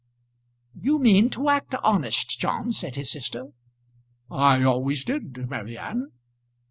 "You mean to act honest, John," said his sister. "I always did, Mary Anne."